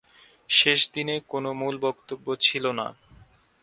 শেষ দিনে কোনও মূল বক্তব্য ছিল না।